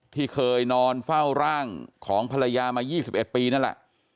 ที่เคยนอนเฝ้าร่างของภรรยามา๒๑ปีนั่นแหละ